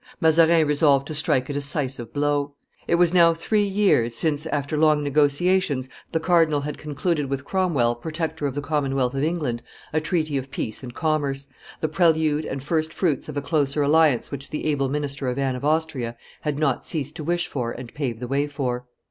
Mazarin resolved to strike a decisive blow. It was now three years since, after long negotiations, the cardinal had concluded with Cromwell, Protector of the Commonwealth of England, a treaty of peace and commerce, the prelude and first fruits of a closer alliance which the able minister of Anne of Austria had not ceased to wish for and pave the way for.